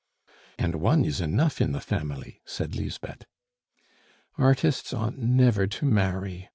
"And one is enough in the family!" said Lisbeth. "Artists ought never to marry!"